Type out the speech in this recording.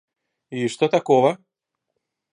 И что такого?